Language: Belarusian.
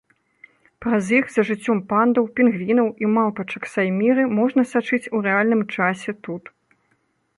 Праз іх за жыццём пандаў, пінгвінаў і малпачак-сайміры можна сачыць у рэальным часе тут.